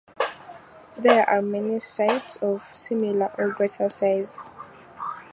There are many other sites of similar or greater size.